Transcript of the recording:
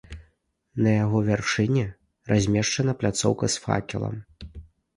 На яго вяршыні размешчана пляцоўка з факелам.